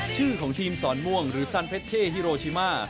ชื่อของทีมสอนม่วงหรือซันเพชเช่ฮิโรชิมา